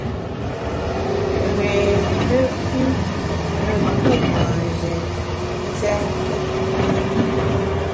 Réé ne pü ne tu manjé nzènkét !